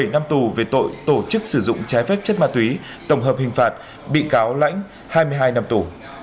bảy năm tù về tội tổ chức sử dụng trái phép chất ma túy tổng hợp hình phạt bị cáo lãnh hai mươi hai năm tù